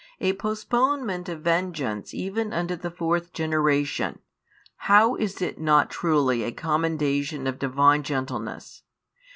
A postponement of vengeance even unto the fourth generation, how is it not truly a commendation of Divine gentleness?